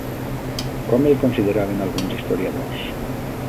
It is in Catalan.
Com el consideraven alguns historiadors?